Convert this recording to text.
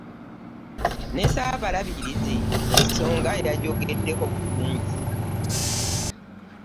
Ne Ssaabalabirizi ensonga yagyogeddeko bulungi.